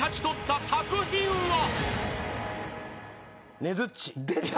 ねづっち。